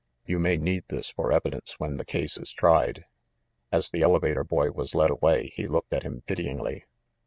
You may need this for evi dence when the case is tried." As the elevator boy was led away he looked at him pityingly.